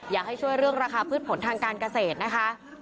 อยากให้ช่วยเรื่องราคาพืชผลทางการเกษตรนะคะ